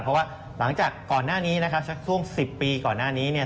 เพราะว่าหลังจากก่อนหน้านี้นะครับสักช่วง๑๐ปีก่อนหน้านี้เนี่ย